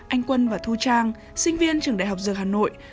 anh quân và thu trang sinh viên trường đại học dược hà nội